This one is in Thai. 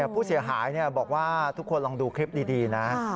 ผู้เสียหายบอกว่าทุกคนลองดูคลิปดีนะ